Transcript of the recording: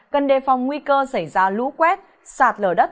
cần đề phòng nguy cơ xảy ra lũ quét sạt lở đất